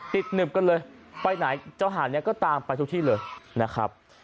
หนึบกันเลยไปไหนเจ้าหาดนี้ก็ตามไปทุกที่เลยนะครับ